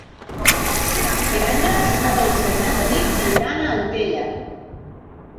Divendres na Dolça i na Tanit aniran a Antella.